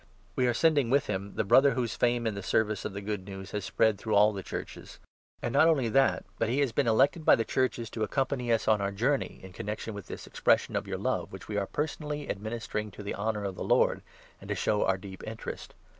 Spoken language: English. We are sending with him the Brother whose fame in the 18 service of the Good News has spread through all the Churches ; and not only that, but he has been elected by the Churches to 19 accompany us on our journey, in connexion with this expres sion of your love, which we are personally administering to the honour of the Lord, and to show our deep interest.